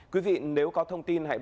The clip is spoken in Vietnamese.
quý vị nếu có thông tin hãy báo